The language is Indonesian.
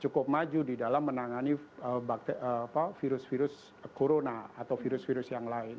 cukup maju di dalam menangani virus virus corona atau virus virus yang lain